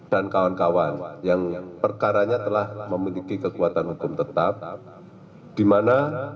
dan pemeriksaan yang telah dijalankan